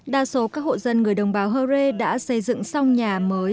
đa số các hộ dân người đồng bào hơ rê đã xây dựng xong nhà mới